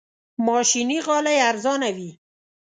ماشيني غالۍ ارزانه وي.